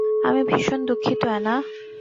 আমি ভীষণ দুঃখিত, অ্যানা।